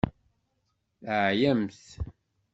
Teɛyamt.